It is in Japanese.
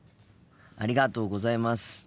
ありがとうございます。